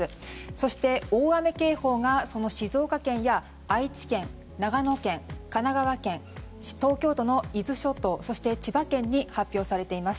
そして大雨警報が静岡県や愛知県長野県、神奈川県東京都の伊豆諸島そして千葉県に発表されています。